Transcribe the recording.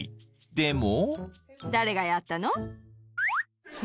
［でも］